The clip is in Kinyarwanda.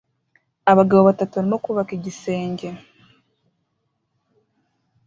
Abagabo batatu barimo kubaka igisenge